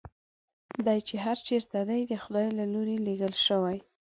دی چې هر چېرته دی د خدای له لوري لېږل شوی.